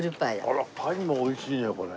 あらっパイも美味しいねこれ。